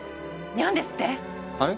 ニャンですって⁉はい？